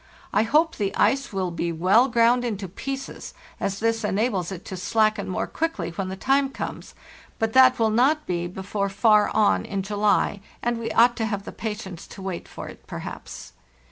I hope the ice will be well ground into pieces, as this enables it to slacken more quickly when the time comes; but that will not be before far on in July, and we ought to have the patience to wait for it perhaps.